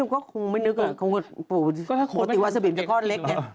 ก็คงไม่นึกปกติวาซาบิมจะก้อนเล็กไง